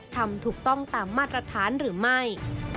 ทำถูกต้องตามมาตรฐานหรือไม่